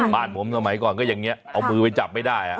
บ้านผมสมัยก่อนก็อย่างนี้เอามือไปจับไม่ได้